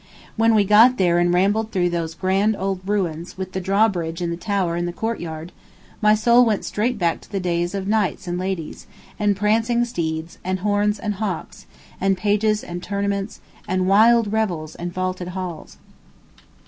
When we got there and rambled through those grand old ruins, with the drawbridge and the tower and the courtyard, my soul went straight back to the days of knights and ladies, and prancing steeds, and horns and hawks, and pages and tournaments, and wild revels and vaulted halls.